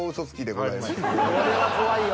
これは怖いよ。